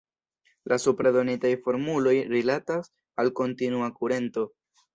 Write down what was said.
La supre donitaj formuloj rilatas al kontinua kurento.